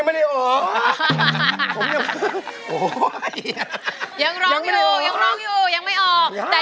ผมยังไม่ได้ออก